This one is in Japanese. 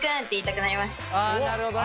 なるほどね。